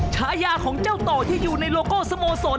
ฉายาของเจ้าต่อที่อยู่ในโลโก้สโมสร